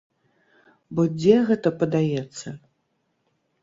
Бо дзе гэта падаецца?